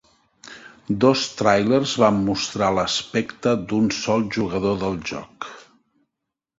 Dos tràilers van mostrar l'aspecte d'un sol jugador del joc.